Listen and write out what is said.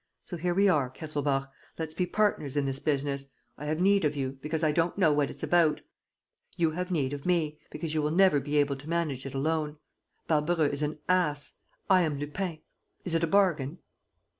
So here we are, Kesselbach. Let's be partners in this business. I have need of you, because I don't know what it's about. You have need of me, because you will never be able to manage it alone. Barbareux is an ass. I am Lupin. Is it a bargain?"